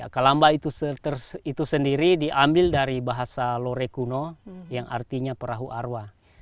kalamba itu sendiri diambil dari bahasa lore kuno yang artinya perahu arwa